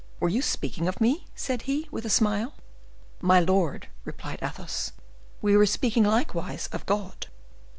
"Were you speaking of me?" sad he, with a smile. "My lord," replied Athos, "we were speaking likewise of God."